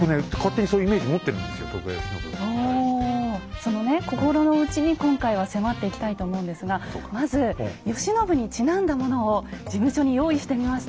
そのね心の内に今回は迫っていきたいと思うんですがまず慶喜にちなんだものを事務所に用意してみました。